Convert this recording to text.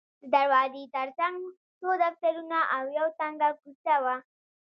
د دروازې ترڅنګ څو دفترونه او یوه تنګه کوڅه وه.